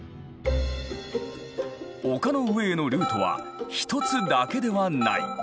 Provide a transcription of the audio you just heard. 丘の上へのルートは１つだけではない。